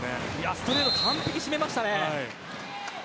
ストレートを完璧に決めました。